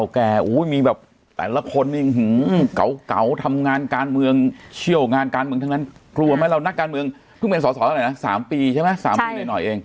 แกมีแบบแต่ละคนนี่เก่าทำงานการเมืองเชี่ยวงานการเมืองทั้งนั้นกลัวไหมเรานักการเมืองเพิ่งเป็นสอสอแล้วนะ๓ปีใช่ไหม๓ปีหน่อยเอง